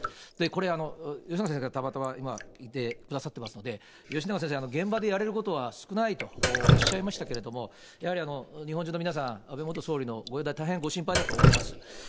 これ、よしなが先生がたまたま今いてくださっていますので、吉永先生、現場でやれることは少ないとおっしゃいましたけど、やはり日本中の皆さん、安倍元総理のご容体、大変心配だと思います。